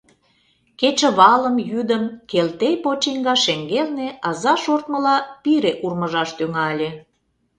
Кечывалым, йӱдым Келтей почиҥга шеҥгелне аза шортмыла пире урмыжаш тӱҥале.